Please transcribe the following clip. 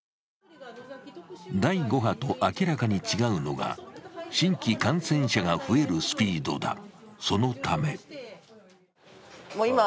第５波と明らかに違うのが、新規感染者が増えるスピードだ。